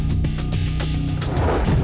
dari orang lain